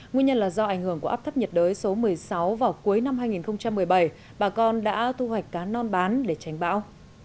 nguyên nhân là do ảnh hưởng của áp thấp nhiệt đới số một mươi sáu vào cuối năm hai nghìn một mươi bảy bà con đã thu hoạch cá non bán để tránh bão